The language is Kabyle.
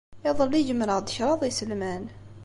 Iḍelli, gemreɣ-d kraḍ n yiselman.